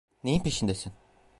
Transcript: Neyin peşindesin?